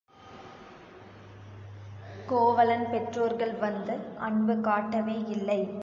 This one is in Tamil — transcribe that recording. கோவலன் பெற்றோர்கள் வந்து அன்பு காட்டவே இல்லை.